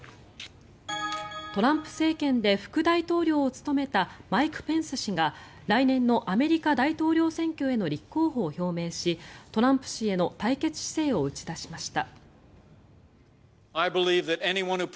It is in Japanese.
トランプ政権で副大統領を務めたマイク・ペンス氏が来年のアメリカ大統領選挙への立候補を表明しトランプ氏への対決姿勢を打ち出しました。